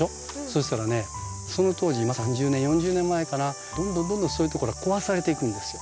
そしたらねその当時３０年か４０年前かなどんどんどんどんそういうところが壊されていくんですよ。